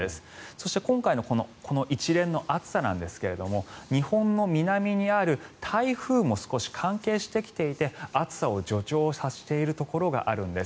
そして今回のこの一連の暑さなんですが日本の南にある台風も少し関係してきていて暑さを助長させているところがあるんです。